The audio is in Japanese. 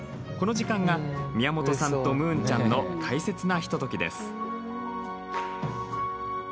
この時間が宮本さんとムーンちゃんの大切なひとときです。